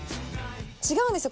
違うんですよ